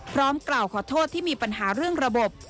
กล่าวขอโทษที่มีปัญหาเรื่องระบบ